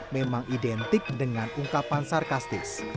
memang identik dengan ungkapan sarkastis